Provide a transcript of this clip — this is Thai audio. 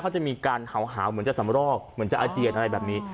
เขาจะมีการเห่าเหมือนจะสำรอกเหมือนจะอาเจียนอะไรแบบนี้